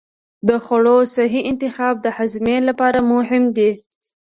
د خوړو صحي انتخاب د هاضمې لپاره مهم دی.